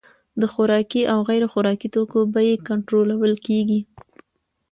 د خوراکي او غیر خوراکي توکو بیې کنټرول کیږي.